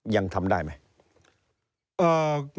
ยังทำได้ไหม